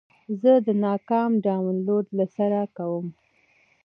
زه د ناکام ډاونلوډ له سره کوم.